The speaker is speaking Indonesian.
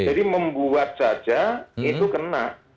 jadi membuat saja itu kena